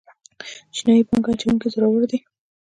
چینايي پانګه اچوونکي زړور دي.